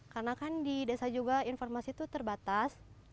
karena kan di desa juga informasi itu terbatas